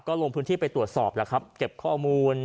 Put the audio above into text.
ก็ลงพื้นที่ไปตรวจสอบแล้วครับ